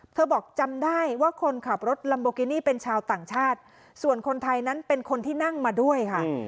บอกจำได้ว่าคนขับรถลัมโบกินี่เป็นชาวต่างชาติส่วนคนไทยนั้นเป็นคนที่นั่งมาด้วยค่ะ